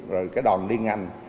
rồi đoàn điên ngành